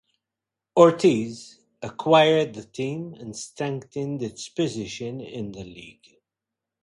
Ortiz acquired the team and strengthened its position in the league.